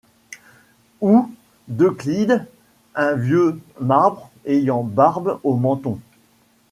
Ou d'Euclide -un vieux marbre ayant barbe au menton